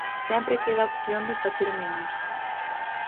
Sempre queda a opción de facer menos.